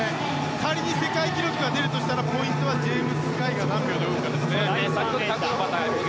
仮に世界記録が出るとしたらポイントはジェームズ・ガイが何秒で泳ぐかですね。